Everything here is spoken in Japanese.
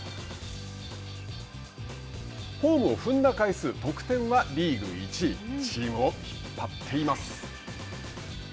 ホームを踏んだ回数、得点はリーグ１位チームを引っ張っています。